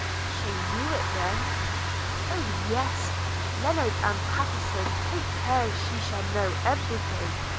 'She knew it then?' 'Oh, yes! – Lennard and Pattenson take care she shall know every thing.